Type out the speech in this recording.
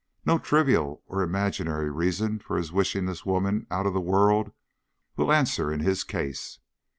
No trivial or imaginary reason for his wishing this woman out of the world will answer in his case.